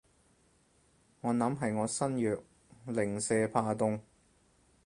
我諗係我身弱，零舍怕凍